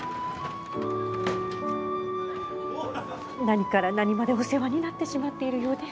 何から何までお世話になってしまっているようで。